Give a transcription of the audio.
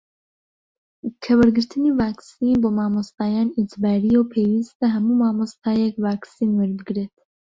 کە وەرگرتنی ڤاکسین بۆ مامۆستایان ئیجبارییە و پێویستە هەموو مامۆستایەک ڤاکسین وەربگرێت